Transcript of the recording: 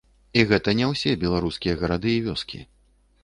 І гэта не ўсе беларускія гарады і вёскі.